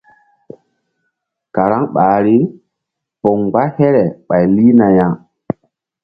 Karaŋ ɓahri poŋ mgba here ɓay lihna ya.